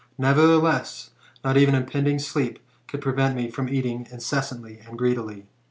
Nevertheless, not even im* pending sleep could prevent me from eating incessantly and greedily.